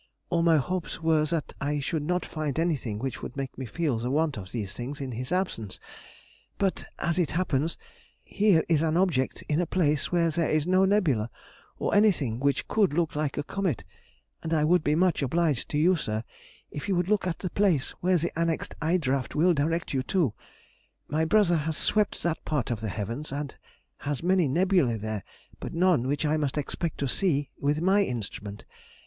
All my hopes were that I should not find anything which would make me feel the want of these things in his absence; but, as it happens, here is an object in a place where there is no nebula, or anything which could look like a comet, and I would be much obliged to you, sir, if you would look at the place where the annexed eye draft will direct you to. My brother has swept that part of the heavens, and has many nebulæ there, but none which I must expect to see with my instrument.